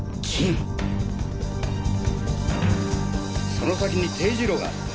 その先にＴ字路がある！